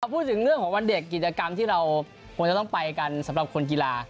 พูดถึงเรื่องของวันเด็กกิจกรรมที่เราควรจะต้องไปกันสำหรับคนกีฬา